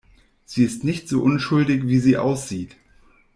Sie ist nicht so unschuldig, wie sie aussieht.